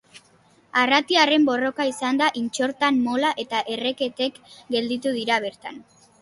Arratiarren borroka izan da Intxortan Mola ta erreketek gelditu dira bertan.